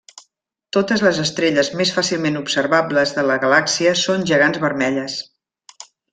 Totes les estrelles més fàcilment observables de la galàxia són gegants vermelles.